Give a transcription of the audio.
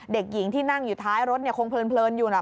เด็กหญิงที่นั่งอยู่ท้ายรถเนี่ยคงเพลินอยู่นะ